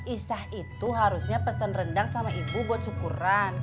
isah itu harusnya pesan rendang sama ibu buat syukuran